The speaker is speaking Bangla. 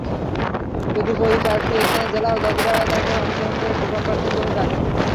তদুপরি কয়েকটি স্থানে জেলা জজরা তাঁকে অনুসরণ করে সুফল পাচ্ছেন বলে জানি।